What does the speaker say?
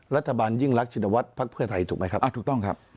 รัฐบาลยิ่งรักชินวัฒน์พักเพื่อไทยถูกไหมครับถูกต้องครับ